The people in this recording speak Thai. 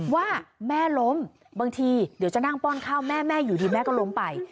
ว่าแม่ล้มบางทีเดี๋ยวจะนั่งป้อนข้าวแม่แม่อยู่ดีแม่ก็ล้มไป